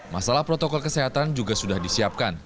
masalah protokol kesehatan juga sudah disiapkan